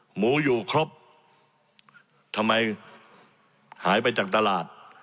หมูอยู่ครบทำไมหายไปจากตลาด